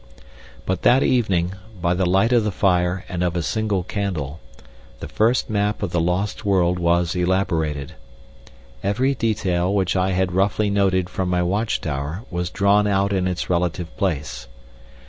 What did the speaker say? But that evening, by the light of the fire and of a single candle, the first map of the lost world was elaborated. Every detail which I had roughly noted from my watch tower was drawn out in its relative place.